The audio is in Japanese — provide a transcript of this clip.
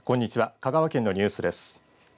香川県のニュースです。